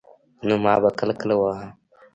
نو ما به کله کله واهه.